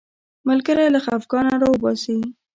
ملګری له خفګانه راوباسي